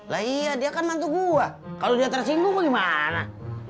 lah iya dia kan mantu gue kalau dia tersinggung gimana